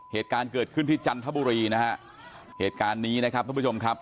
เหตุการณ์เกิดขึ้นที่จันทบุรีนะฮะเหตุการณ์นี้นะครับท่านผู้ชมครับ